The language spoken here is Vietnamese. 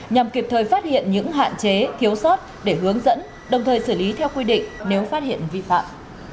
nhằm kịp thời phát hiện những hạn chế thiếu sót để hướng dẫn đồng thời xử lý theo quy định nếu phát hiện vi phạm